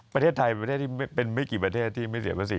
ประเทศไทยเป็นไม่กี่ประเทศที่ไม่เสียภาษี